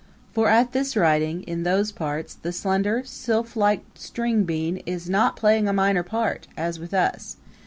For at this writing in those parts the slender, sylphlike string bean is not playing a minor part, as with us.